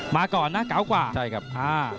ก่อนนะเก๋ากว่าใช่ครับอ่า